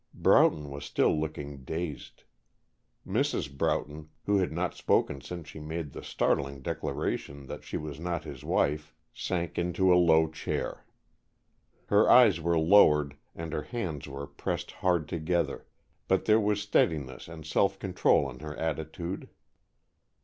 Broughton was still looking dazed. Mrs. Broughton, who had not spoken since she made the startling declaration that she was not his wife, sank into a low chair. Her eyes were lowered and her hands were pressed hard together, but there was steadiness and self control in her attitude.